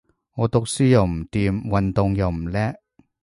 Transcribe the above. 我讀書又唔掂，運動又唔叻